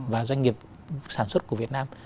và doanh nghiệp sản xuất của việt nam